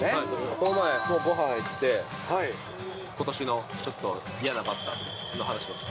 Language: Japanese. この前ごはん行って、ことしのちょっと嫌なバッターの話をしました。